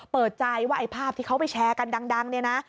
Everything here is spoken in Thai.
เปิดใจว่าไอ้ภาพที่เขาไปแชร์กันดังเนี่ยนะ